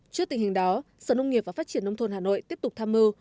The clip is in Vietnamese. trước tình hình đó sở nông nghiệp và phát triển nông thôn hà nội tiếp tục tham mưu